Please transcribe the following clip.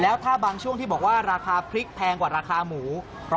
แล้วถ้าบางช่วงที่บอกว่าราคาพริกแพงกว่าราคาหมู